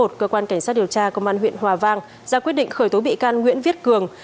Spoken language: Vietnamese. cơ quan cảnh sát điều tra công an huyện hòa vang ra quyết định khởi tố bị can nguyễn viết cường